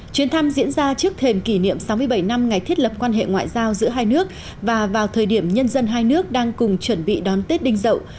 chuyến thăm diễn ra trước thềm kỷ niệm sáu mươi bảy năm ngày thiết lập quan hệ ngoại giao giữa hai nước và vào thời điểm nhân dân hai nước đang cùng chuẩn bị đón tết đinh dậu